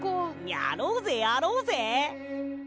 やろうぜやろうぜ！